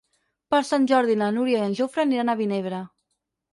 Per Sant Jordi na Núria i en Jofre aniran a Vinebre.